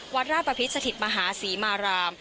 วัดราปภิษฐฐิตมหาศรีมาราม